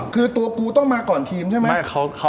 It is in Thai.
คือตัวกูต้องมาก่อนทีมใช่ไหม